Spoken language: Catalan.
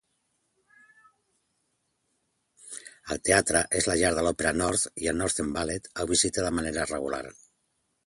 El teatre és la llar de l'Opera North i el Northern Ballet el visita de manera regular.